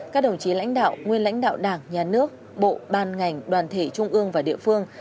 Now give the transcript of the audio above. các đồng chí lãnh đạo nguyên lãnh đạo đảng nhà nước bộ ban ngành đoàn thể trung ương và địa phương